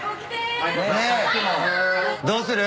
どうする？